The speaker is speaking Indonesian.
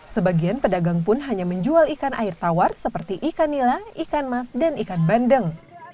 sebagian pedagang pun hanya menjual ikan air tawar seperti ikan nila ikan mas dan ikan bandeng